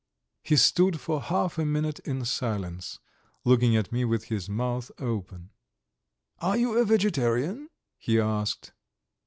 He stood for half a minute in silence, looking at me with his mouth open. "Are you a vegetarian?" he asked.